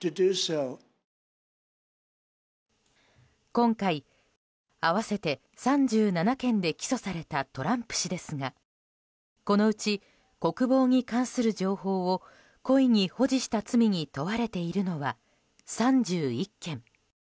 今回、合わせて３７件で起訴されたトランプ氏ですがこのうち国防に関する情報を故意に保持した罪に問われているのは３１件。